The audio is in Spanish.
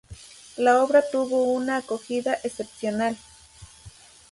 La obra tuvo una acogida excepcional.